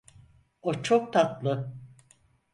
O çok tatlı.